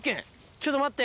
ちょっと待って！